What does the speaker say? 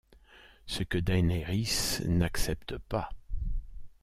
Ce que Daenerys n'accepte pas.